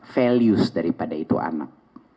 value daripada itu anak